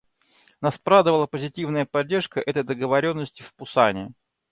Нас порадовала позитивная поддержка этой договоренности в Пусане.